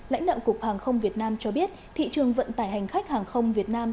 lãnh đạo cục hàng không việt nam cho biết thị trường vận tải hành khách hàng không việt nam